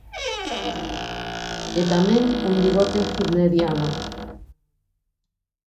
E tamén un bigote hitleriano.